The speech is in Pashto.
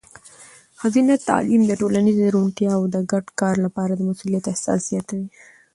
ښځینه تعلیم د ټولنیزې روڼتیا او د ګډ کار لپاره د مسؤلیت احساس زیاتوي.